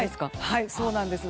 はい、そうなんです。